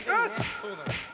「そうなんですよ」